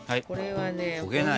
これはね。